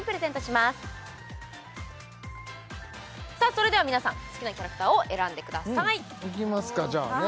それでは皆さん好きなキャラクターを選んでくださいいきますかじゃあね